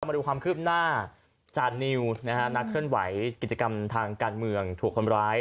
มาดูความคืบหน้าจานิวนะฮะนักเคลื่อนไหวกิจกรรมทางการเมืองถูกคนร้าย